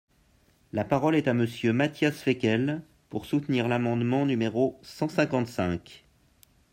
La parole est à Monsieur Matthias Fekl, pour soutenir l’amendement numéro cent cinquante-cinq.